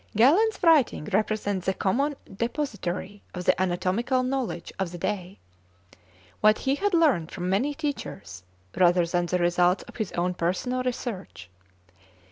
Galen's writings represent the common depository of the anatomical knowledge of the day; what he had learnt from many teachers, rather than the results of his own personal research.